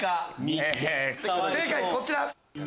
正解こちら。